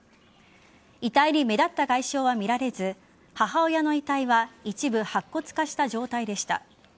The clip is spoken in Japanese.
遺体に目立った外傷は見られず母親の遺体は一部、白骨化した状態でした。